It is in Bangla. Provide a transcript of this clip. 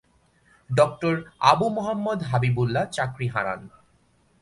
ড আবু মোহাম্মাদ হাবিবুল্লাহ চাকরি হারান।